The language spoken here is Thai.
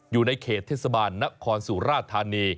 อยู่ในเขตเทศบาลนครสุราธานี